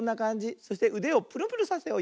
そしてうでをぷるぷるさせよう。